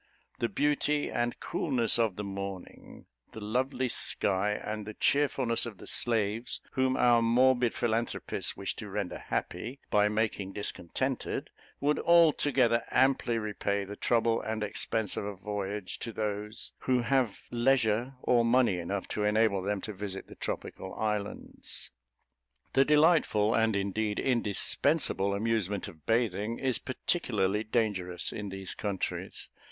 The beauty and coolness of the morning, the lovely sky, and the cheerfulness of the slaves, whom our morbid philanthropists wish to render happy, by making discontented, would altogether amply repay the trouble and expense of a voyage, to those who have leisure or money enough to enable them to visit the tropical islands. The delightful, and, indeed, indispensable amusement of bathing, is particularly dangerous in these countries.